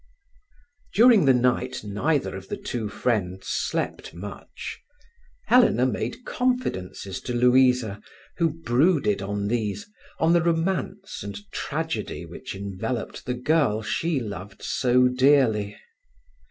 During the night neither of the two friends slept much. Helena made confidences to Louisa, who brooded on these, on the romance and tragedy which enveloped the girl she loved so dearly.